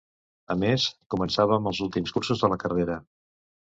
A més, començàvem els últims cursos de la carrera.